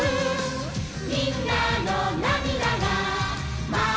「みんなのなみだがまざったら」